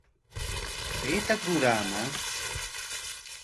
¿Chaytaku ruraaman?